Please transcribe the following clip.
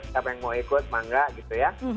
siapa yang mau ikut sama enggak gitu ya